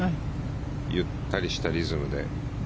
ゆったりしたリズムで。